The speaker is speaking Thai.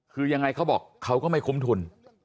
คือยังไงเขาบอกเขาก็ไม่คุ้มทุน